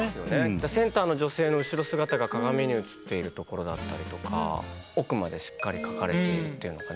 センターの女性の後ろ姿が鏡に映っているところだったりとか奥までしっかり描かれているというのがねすごく。